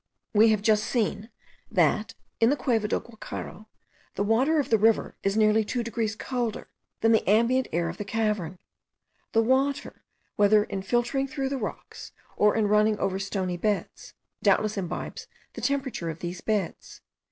We have just seen that, in the Cueva del Guacharo, the water of the river is nearly 2 degrees colder than the ambient air of the cavern. The water, whether in filtering through the rocks, or in running over stony beds, doubtless imbibes the temperature of these beds.